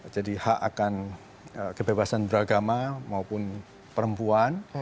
jadi hak akan kebebasan beragama maupun perempuan